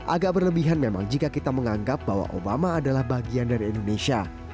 agak berlebihan memang jika kita menganggap bahwa obama adalah bagian dari indonesia